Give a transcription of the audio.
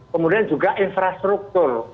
kemudian juga infrastruktur